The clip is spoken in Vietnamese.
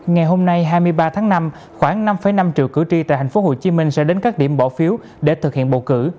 ngày hôm nay hai mươi ba tháng năm khoảng năm năm triệu cử tri tại tp hcm sẽ đến các điểm bỏ phiếu để thực hiện bầu cử